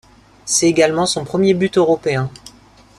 C'est également son premier but européen.